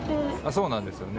そうなんですよね。